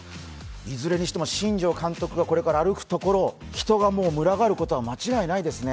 いずれにしても新庄監督がこれから歩くところを人がもう群がることは間違いないですね。